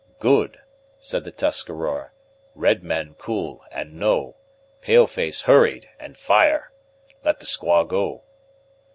"Good," said the Tuscarora "red man cool, and know; pale face hurried, and fire. Let the squaw go."